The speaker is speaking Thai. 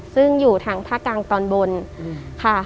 ซึ่งอยู่ทางภาคกลางตอนบนค่ะ